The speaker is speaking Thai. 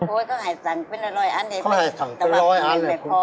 โอ้ยก็ให้สั่งเป็นร้อยอันเลยครับก็ให้สั่งเป็นร้อยอันเลยครับ